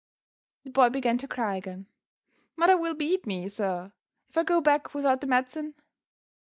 The boy began to cry again. "Mother will beat me, sir, if I go back without the medicine."